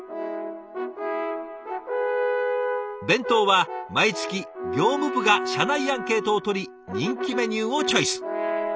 弁当は毎月業務部が社内アンケートを取り人気メニューをチョイス。